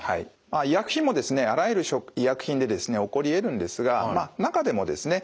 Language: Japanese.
医薬品もですねあらゆる医薬品で起こりえるんですが中でもですね